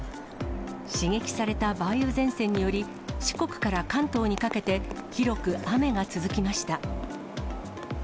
刺激された梅雨前線により、四国から関東にかけて広く雨が続きました。